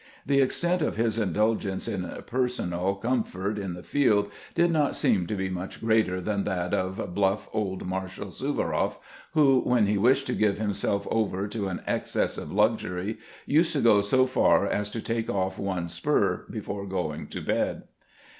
The ex tent of his indulgence in personal comfort in the field did not seem to be much greater than that of bluff old Marshal Suvaroflf, who, when he wished to give himself over to an excess of luxury, used to go so far as to take off one spur before going to bed.